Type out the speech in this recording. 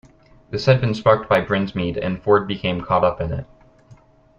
This had been sparked by Brinsmead, and Ford became caught up in it.